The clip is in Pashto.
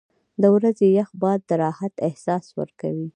• د ورځې یخ باد د راحت احساس ورکوي.